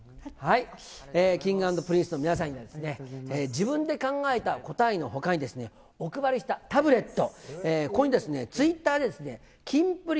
Ｋｉｎｇ＆Ｐｒｉｎｃｅの皆さんには、自分で考えた答えのほかに、お配りしたタブレット、ここにツイッターでキンプリ